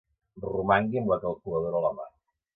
Romangui amb la calculadora a la mà.